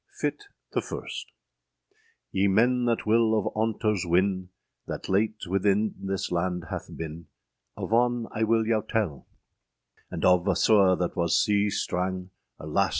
] FITTE THE FIRSTE. YE men that will of aunters wynne, That late within this lande hath bin, Of on I will yow telle; And of a sewe that was sea strang, Alas!